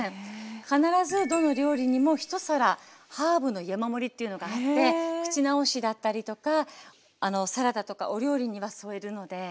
必ずどの料理にも一皿ハーブの山盛りっていうのがあって口直しだったりとかサラダとかお料理には添えるので。